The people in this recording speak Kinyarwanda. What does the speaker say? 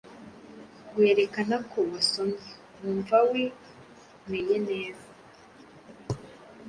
werekana ko wasomye wumvawe meyeneza